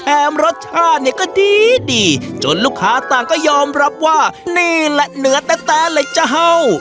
รสชาติเนี่ยก็ดีดีจนลูกค้าต่างก็ยอมรับว่านี่แหละเนื้อแท้เลยเจ้าเฮ่า